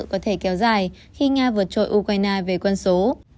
có thể kéo dài khi nga vượt trội ukraine về quân số